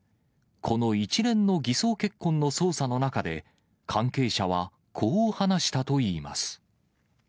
この一連の偽装結婚の捜査の中で、関係者はこう話したといいます。